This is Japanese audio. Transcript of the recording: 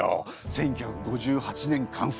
１９５８年完成。